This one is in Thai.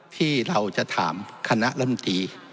ที่เราจะถามคณะรัฐมนตรี